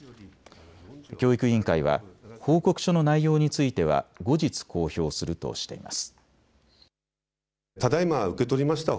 教育委員会は報告書の内容については後日公表するとしています。